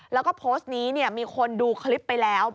แล้วก็โพสต์นี้มีคนดูคลิปไปแล้ว